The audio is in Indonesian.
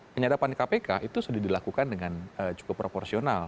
penyadapan kpk itu sudah dilakukan dengan cukup proporsional